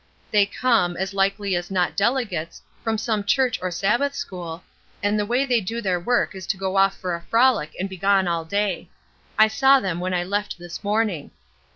"They come, as likely as not delegates, from some church or Sabbath school, and the way they do their work is to go off for a frolic and be gone all day. I saw them when I left this morning.